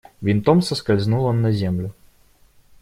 Винтом соскользнул он на землю.